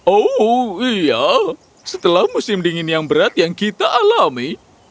oh iya setelah musim dingin yang berat yang kita alami